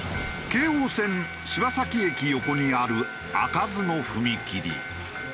京王線柴崎駅横にある開かずの踏切。